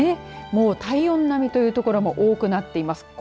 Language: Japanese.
もう体温並みという所も多くなっています。